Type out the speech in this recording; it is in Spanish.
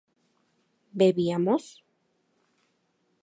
¿bebíamos?